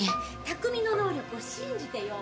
拓海の能力を信じてよ。